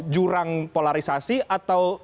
jurang polarisasi atau